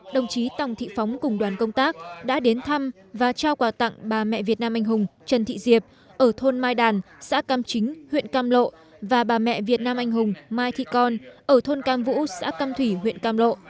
đồng chí tòng thị phóng cùng đoàn công tác đã đến thăm và trao quà tặng bà mẹ việt nam anh hùng trần thị diệp ở thôn mai đàn xã cam chính huyện cam lộ và bà mẹ việt nam anh hùng mai thị con ở thôn cam vũ xã cam thủy huyện cam lộ